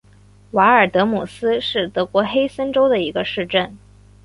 瓦尔德姆斯是德国黑森州的一个市镇。